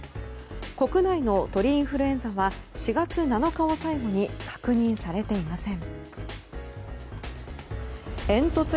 国内の鳥インフルエンザは４月７日を最後に確認されていません。